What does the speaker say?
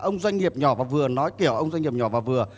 ông doanh nghiệp nhỏ và vừa nói kiểu ông doanh nghiệp nhỏ và vừa